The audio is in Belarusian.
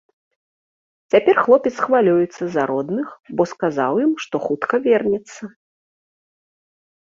Цяпер хлопец хвалюецца за родных, бо сказаў ім, што хутка вернецца.